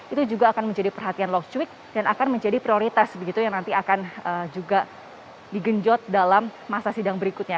itu juga akan menjadi perhatian love cuek dan akan menjadi prioritas begitu yang nanti akan juga digenjot dalam masa sidang berikutnya